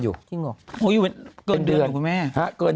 พี่ยุทธิ์จำพิเศษอยู่ตรงไหน